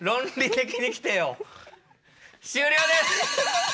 終了です！